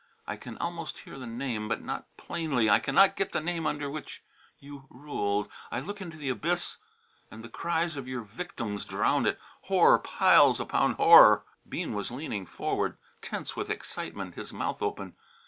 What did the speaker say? I can almost hear the name, but not plainly. I cannot get the name under which you ruled. I look into the abyss and the cries of your victims drown it. Horror piles upon horror!" Bean was leaning forward, tense with excitement, his mouth open.